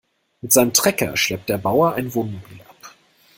Mit seinem Trecker schleppt der Bauer ein Wohnmobil ab.